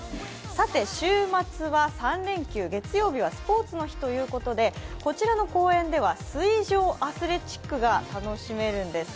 さて、週末は３連休、月曜日はスポーツの日ということでこちらの公園では水上アスレチックが楽しめるんです。